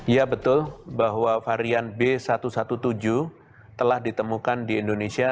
ya betul bahwa varian b satu satu tujuh telah ditemukan di indonesia